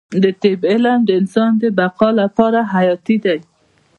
د طب علم د انسان د بقا لپاره حیاتي دی